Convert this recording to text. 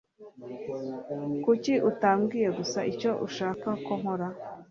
Kuki utambwira gusa icyo ushaka ko nkora?